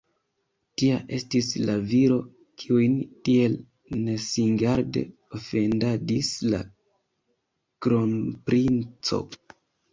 Tia estis la viro, kiun tiel nesingarde ofendadis la kronprinco.